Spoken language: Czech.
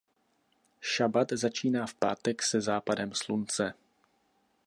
Šabat začíná v pátek se západem slunce.